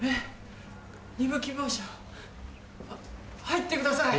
入ってください！